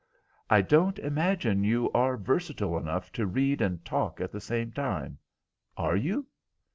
"I don't imagine you are versatile enough to read and talk at the same time. Are you?"